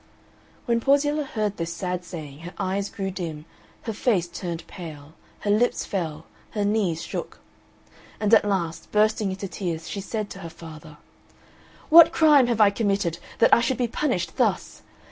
When Porziella heard this sad saying her eyes grew dim, her face turned pale, her lips fell, her knees shook; and at last, bursting into tears, she said to her father, "What crime have I committed that I should be punished thus!